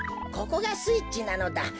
ここがスイッチなのだ。